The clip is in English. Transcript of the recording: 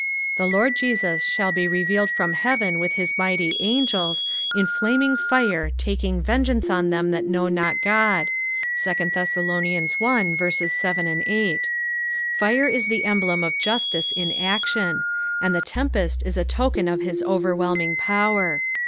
" The Lord Jesus shall be revealed from heaven with hia mighty angels, in fiaming fire taking vengeance on them that know not God." 3 Thess. i. 7, 8. Fire is the emblem of justice in action, and the tempest is a token of hia overwhelming power.